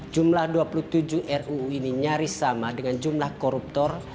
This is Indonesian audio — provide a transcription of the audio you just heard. jumlah dua puluh tujuh ruu ini nyaris sama dengan jumlah koruptor